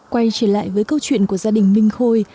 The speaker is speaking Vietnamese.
quay trở lại với câu chuyện của gia đình minh khôi